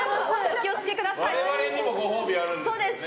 我々にもご褒美があるんですよね。